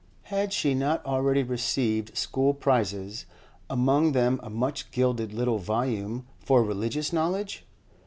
Had she not already received school prizes, among them a much gilded little volume 'for religious knowledge'?